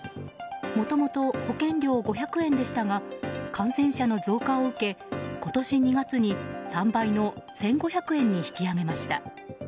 もともと保険料５００円でしたが感染者の増加を受け今年２月に３倍の１５００円に引き上げました。